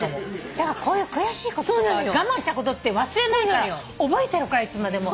だからこういう悔しいこととか我慢したことって忘れないから覚えてるからいつまでも。